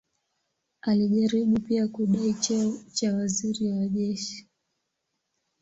Alijaribu pia kudai cheo cha waziri wa jeshi.